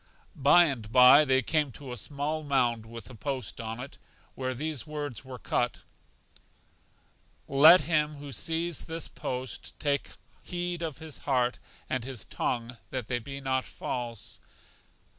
By and by they came to a small mound with a post on it, where these words were cut, Let him who sees this post take heed of his heart and his tongue that they be not false.